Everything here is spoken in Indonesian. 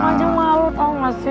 iya sama aja malu tau gak sih